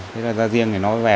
thế là ra riêng để nó về